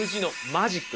マジック。